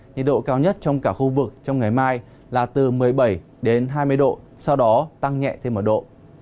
nhiệt độ cao nhất trong cả khu vực trong ngày mai là từ một mươi bảy đến hai mươi độ sau đó tăng nhẹ thêm một độ